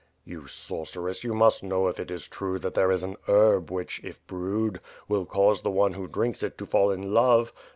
'' "You sorceress; you must know if it is true that there is an herb which, if brewed, will cause the one who drinks it to fall in love.